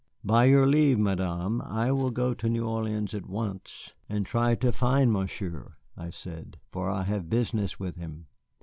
"By your leave, Madame, I will go to New Orleans at once and try to find Monsieur," I said, "for I have business with him."